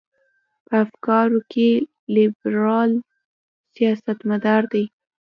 په افکارو کې لیبرال سیاستمدار دی.